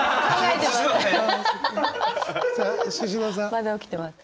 まだ起きてます。